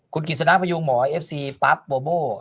คุณกิษณะพยุงหมอเอฟซีปั๊บโบร์โบ้